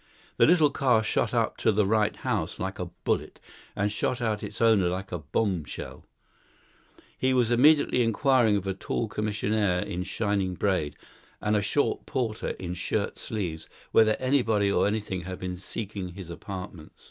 The little car shot up to the right house like a bullet, and shot out its owner like a bomb shell. He was immediately inquiring of a tall commissionaire in shining braid, and a short porter in shirt sleeves, whether anybody or anything had been seeking his apartments.